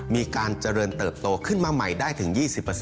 มีการเจริญเติบโตขึ้นมาใหม่ได้ถึง๒๐